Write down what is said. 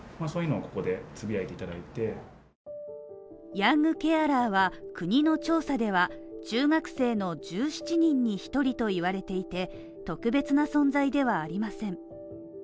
ヤングケアラーは国の調査では、中学生の１７人に１人と言われていて、特別な存在ではありません。